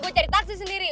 gue cari taksi sendiri